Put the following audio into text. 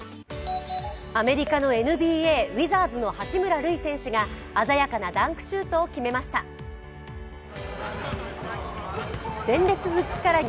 アメリカのＮＢＡ、ウィザーズの八村塁選手が鮮やかなダンクシュートを決めました。